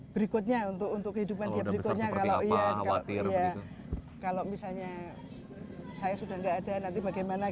berikutnya untuk kehidupan dia berikutnya kalau misalnya saya sudah enggak ada nanti bagaimana